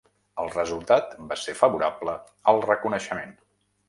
El resultat va ser favorable al reconeixement.